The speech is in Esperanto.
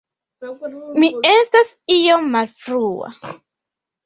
Mi estas iom malfrua